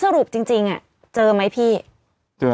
แต่หนูจะเอากับน้องเขามาแต่ว่า